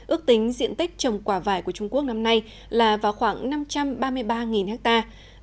ước tính diện tích trồng quả vải của trung quốc năm nay là vào khoảng năm trăm ba mươi ba hectare